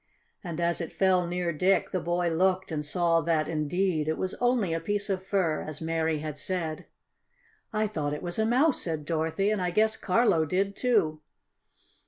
And as it fell near Dick the boy looked and saw that, indeed, it was only a piece of fur, as Mary had said. "I thought it was a mouse," said Dorothy. "And I guess Carlo did, too."